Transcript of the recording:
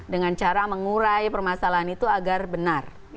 dengan cara mengurai permasalahan itu agar benar